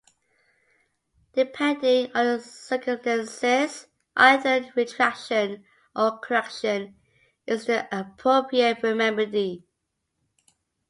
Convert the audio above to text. Depending on the circumstances, either a retraction or correction is the appropriate remedy.